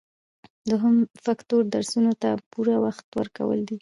دوهم فکتور درسونو ته پوره وخت ورکول دي.